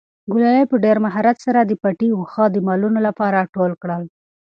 ګلالۍ په ډېر مهارت سره د پټي واښه د مالونو لپاره ټول کړل.